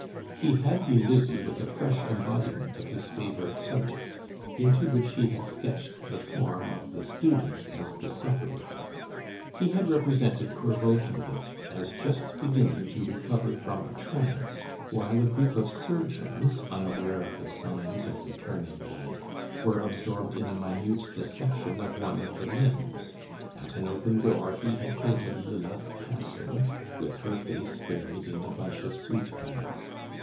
He had been busy with a fresh embodiment of his favourite subject, into which he had sketched the form of the student as the sufferer. He had represented poor Wolkenlicht as just beginning to recover from a trance, while a group of surgeons, unaware of the signs of returning life, were absorbed in a minute dissection of one of the limbs. At an open door he had painted Lilith passing, with her face buried in a bunch of sweet peas.